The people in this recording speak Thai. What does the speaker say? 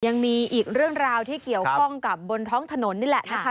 ยังมีอีกเรื่องราวที่เกี่ยวข้องกับบนท้องถนนนี่แหละนะคะ